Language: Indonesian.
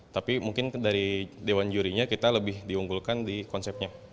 tapi mungkin dari dewan jurinya kita lebih diunggulkan di konsepnya